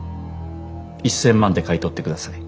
１，０００万で買い取ってください。